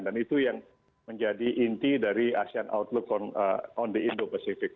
dan itu yang menjadi inti dari asean outlook on the indo pacific